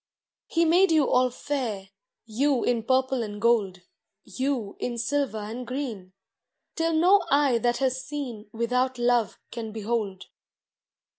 He made you all fair. You in purple and gold, You in silver and green, Till no eye that has seen Without love can behold.